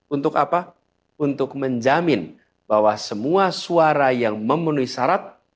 untuk apa untuk menjamin bahwa semua suara yang memenuhi syarat